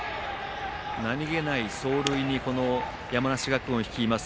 何気ない走塁に山梨学院を率います